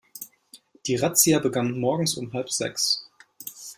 Die Razzia begann morgens um halb sechs.